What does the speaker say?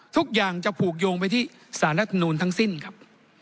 ทุกอย่างจะผูกโยงไปที่สารรัฐมนูลทั้งสิ้นครับ